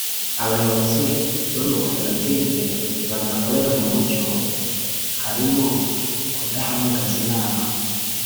Abayobozi b amakoperative badakorera mu mucyo harimo kudahamagaza inama